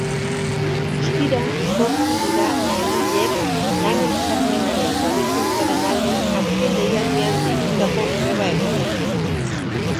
Guztira, zortzi dira langileek lan-hitzarmenaren hobekuntzaren alde azken deialdian deitutako greba egunak.